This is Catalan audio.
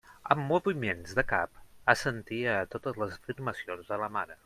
Amb moviments de cap assentia a totes les afirmacions de la mare.